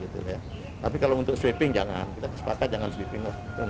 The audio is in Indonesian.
tapi kalau untuk sweeping jangan kita kesepakatan jangan sweeping